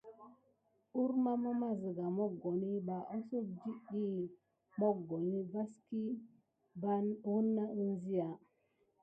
Kurmama siga mokoni ba asoh dite diki aka mokoni vas ki bana ansiga.